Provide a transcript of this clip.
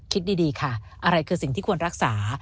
คิดดีค่ะอะไรคือสิ่งที่ควรรักษา